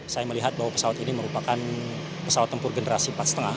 saya melihat bahwa pesawat ini merupakan pesawat tempur generasi empat lima